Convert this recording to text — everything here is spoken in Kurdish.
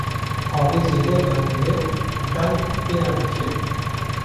avê zêde ber dide û tehm pê re diçe.